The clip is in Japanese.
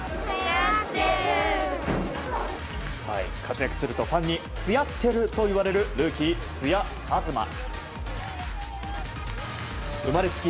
活躍するとファンに津屋ってると言われるルーキー、津屋一球。